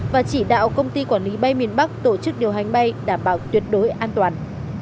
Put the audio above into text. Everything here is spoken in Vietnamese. và chỉ đạo công ty quản lý bay miền bắc tổ chức điều hành bay đảm bảo tuyệt đối an toàn